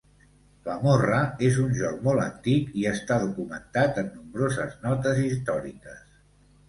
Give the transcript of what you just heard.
La morra és un joc molt antic i està documentat en nombroses notes històriques.